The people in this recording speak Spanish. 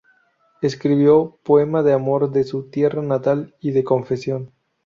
Escribió poemas de amor, de su tierra natal y de confesión.